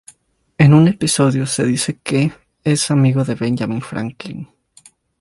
En un episodio se dice que es amigo de Benjamín Franklin.